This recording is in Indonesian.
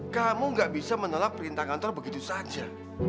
kamu gak bisa menolak perintah kantor begitu saja